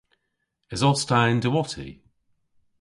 Esos ta y'n diwotti?